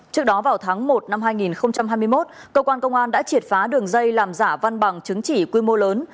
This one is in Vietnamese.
trước đó vào tháng một năm hai nghìn hai mươi một cơ quan công an đã triệt phá đường dây làm giả văn bằng chứng chỉ quy mô lớn